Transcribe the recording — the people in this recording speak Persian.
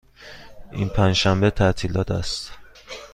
این پنج شنبه تعطیلات است.